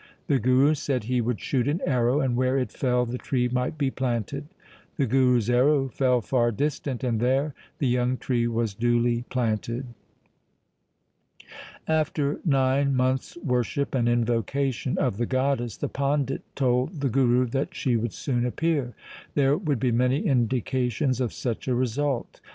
The Guru said he would shoot an arrow, and where it fell the tree might be planted. The Guru's arrow fell far distant, and there the young tree was duly planted. After nine months' worship and invocation of the goddess the pandit told the Guru that she would soon appear. There would be many indications of such a result.